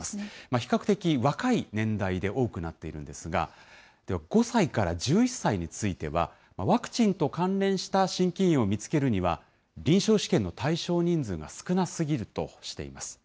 比較的若い年代で多くなっているんですが、５歳から１１歳については、ワクチンと関連した心筋炎を見つけるには、臨床試験の対象人数が少なすぎるとしています。